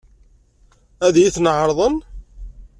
Ad iyi-ten-ɛeṛḍen?